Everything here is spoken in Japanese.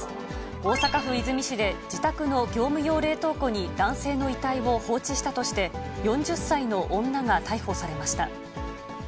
大阪府和泉市で、自宅の業務用冷凍庫に男性の遺体を放置したとして、４０歳の女が逮捕されました。